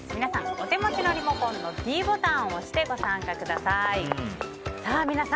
お手持ちのリモコンのｄボタンからご参加ください。